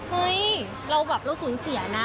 เฮ้ยเราแบบเราสูญเสียนะ